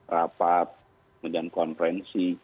rapat kemudian konferensi